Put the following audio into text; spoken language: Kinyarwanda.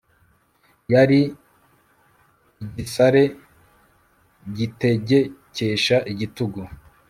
yari igisare gitegekesha igitugu